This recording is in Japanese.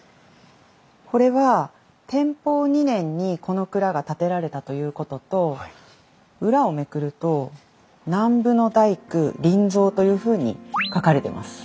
これは天保２年にこの蔵が建てられたということと裏をめくると「南部の大工林蔵」というふうに書かれてます。